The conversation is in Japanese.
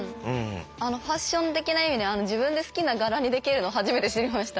ファッション的な意味で自分で好きな柄にできるの初めて知りました。